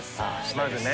まずね。